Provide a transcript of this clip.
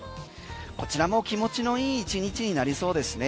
こちらも気持ちのいい１日になりそうですね。